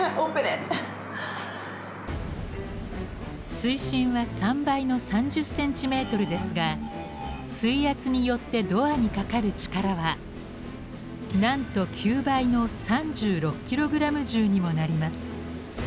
水深は３倍の３０ｃｍですが水圧によってドアにかかる力はなんと９倍の３６ｋｇ重にもなります。